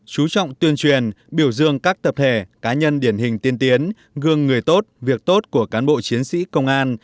chú trọng tuyên truyền biểu dương các tập thể cá nhân điển hình tiên tiến gương người tốt việc tốt của cán bộ chiến sĩ công an